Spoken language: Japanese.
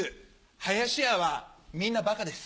林家はみんなバカです。